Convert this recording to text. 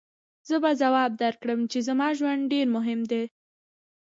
زه به ځواب درکړم چې زما ژوند ډېر مهم دی.